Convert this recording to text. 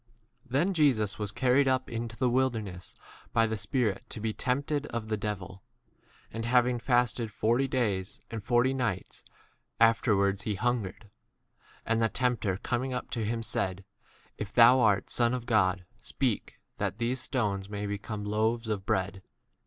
Then Jesus was carried up into the wilderness by the Spirit 2 to be tempted of the devil : and having fasted forty days and forty nights, afterwards he hungered. 3 And the tempter coming up to him said, w If thou art Son of God, speak, that these stones may 4 become loaves of bread.